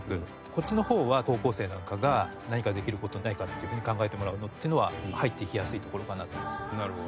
こっちの方は高校生なんかが何かできる事ないかっていうふうに考えてもらうのっていうのは入っていきやすいところかなと思いますね。